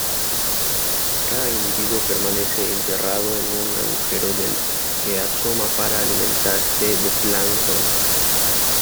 Cada individuo permanece enterrado en un agujero del que asoma para alimentarse de plancton.